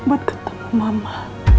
buat ketemu mama